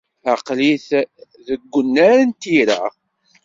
Aql-it deg unnar n tira.